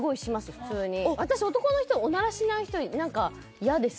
普通に私男の人でオナラしない人何か嫌です